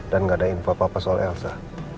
dan gak ada info apa apa soal elsa